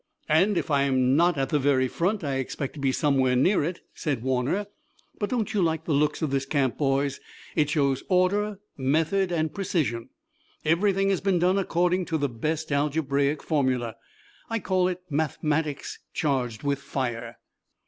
"If I'm not at the very front I expect to be somewhere near it," said Warner. "But don't you like the looks of this camp, boys? It shows order, method and precision. Everything has been done according to the best algebraic formulae. I call it mathematics, charged with fire.